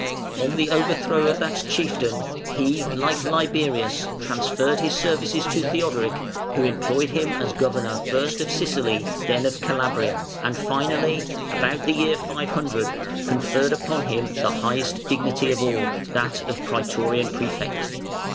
On the overthrow of that chieftain, he, like Liberius, transferred his services to Theodoric, who employed him as governor first of Sicily, then of Calabria, and finally, about the year 500, conferred upon him the highest dignity of all, that of Prætorian Prefect.